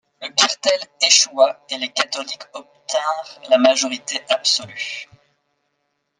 Le cartel échoua, et les catholiques obtinrent la majorité absolue.